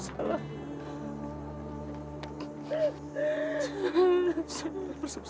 saya sudah bersalah